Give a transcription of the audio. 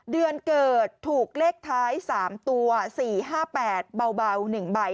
เดือนเกิดถูกเลขท้าย๓ตัว๔๕๘เบา๑ใบ